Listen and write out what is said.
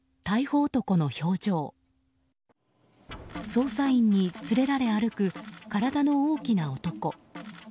捜査員に連れられ歩く体の大きな男。